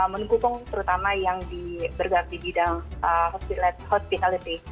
mengukung terutama yang di berganti bidang hospitality